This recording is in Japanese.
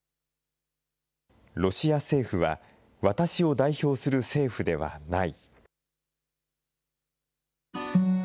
ロシア政府は私を代表する政府ではない。